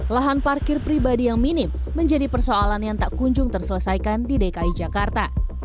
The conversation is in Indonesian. lahan parkir pribadi yang minim menjadi persoalan yang tak kunjung terselesaikan di dki jakarta